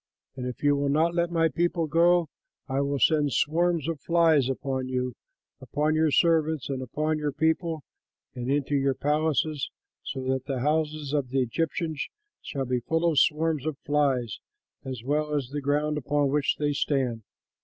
If you will not let my people go, I will send swarms of flies upon you, upon your servants, and upon your people and into your palaces, so that the houses of the Egyptians shall be full of swarms of flies, as well as the ground upon which they stand.